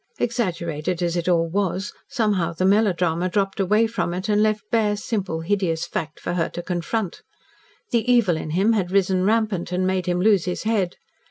Exaggerated as it all was, somehow the melodrama dropped away from it and left bare, simple, hideous fact for her to confront. The evil in him had risen rampant and made him lose his head.